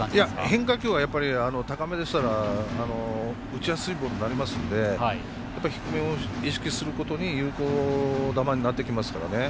変化球は高めにしたら打ちやすいボールになりますので低めを意識することに有効球になってきますからね。